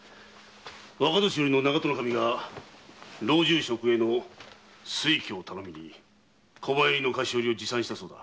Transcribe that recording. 若年寄の長門守が老中職への推挙を頼みに小判入りの菓子折りを持参したそうだ。